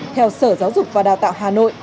theo sở giáo dục và đào tạo hà nội